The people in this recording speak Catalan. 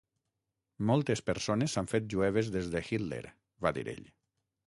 "Moltes persones s'han fet jueves des de Hitler", va dir ell.